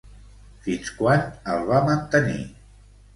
Fins quan el va mantenir?